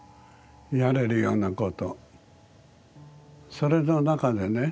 それの中でね